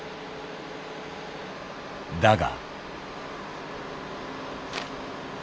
だが。